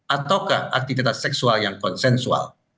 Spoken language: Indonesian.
ataukah aktivitas seksual yang konsensual